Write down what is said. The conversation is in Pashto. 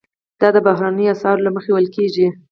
دا د بهرنیو اسعارو له مخې ویل کیږي.